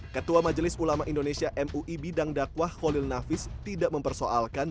ketua majelis ulama indonesia mui bidang dakwah kholil nafis tidak mempersoalkan